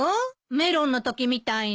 メロンのときみたいに。